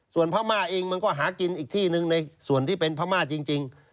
ส่วนพม่าเองมันก็หากินอีกที่หนึ่งในส่วนที่เป็นพม่าจริง